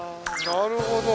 なるほど。